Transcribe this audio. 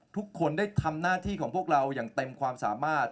ทุกคนได้ทำหน้าที่ของพวกเราอย่างเต็มความสามารถ